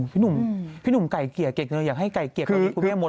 พี่หนุ่มไก่เกลี่ยเก่งเลยอยากให้ไก่เกลี่ยกับพี่แม่หมดมาก